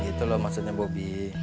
gitu loh maksudnya bobi